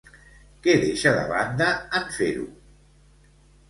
Què deixa de banda, en fer-ho?